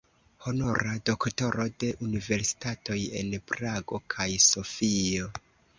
Honora doktoro de universitatoj en Prago kaj Sofio.